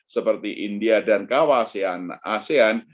seperti india dan kawasan asean